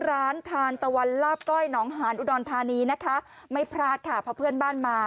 ร้านทานตะวันลาบก้อยหนองหานอุดรธานีนะคะไม่พลาดค่ะเพราะเพื่อนบ้านมา